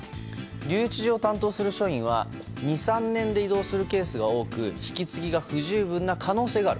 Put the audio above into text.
留置場を担当する署員は２３年で異動するケースが多く引き継ぎが不十分な可能性がある。